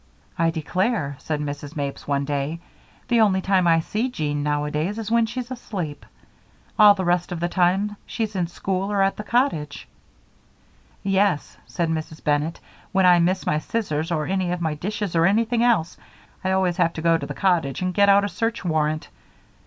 "I declare," said Mrs. Mapes one day, "the only time I see Jean, nowadays, is when she's asleep. All the rest of the time she's in school or at the cottage." "Yes," said Mrs. Bennett, "when I miss my scissors or any of my dishes or anything else, I always have to go to the cottage and get out a search warrant.